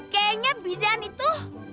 kayaknya bidan itu